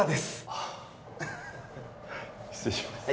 あっ失礼します